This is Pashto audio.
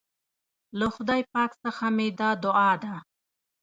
له خدای پاک څخه مي دا دعا ده